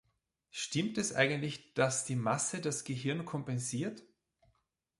Stimmt es eigentlich, daß die Masse das Gehirn kompensiert?